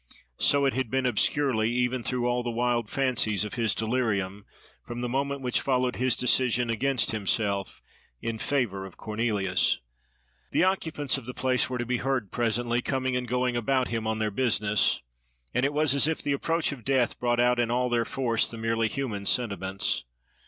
So it had been, obscurely, even through all the wild fancies of his delirium, from the moment which followed his decision against himself, in favour of Cornelius. The occupants of the place were to be heard presently, coming and going about him on their business: and it was as if the approach of death brought out in all their force the merely human sentiments.